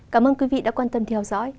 cảm ơn quý vị đã quan tâm theo dõi